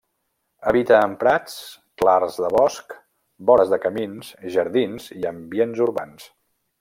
Habita en prats, clars de bosc, vores de camins, jardins i ambients urbans.